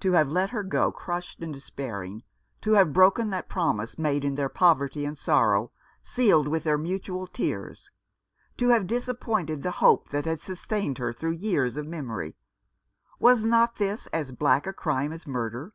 To have let her go, crushed and despairing ; to have broken that promise made in their poverty and sorrow, sealed with their mutual tears ; to have disappointed the hope that had sustained her through years of misery ! Was not this as black a crime as murder?